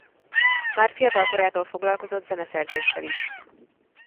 Már fiatal korától foglalkozott zeneszerzéssel is.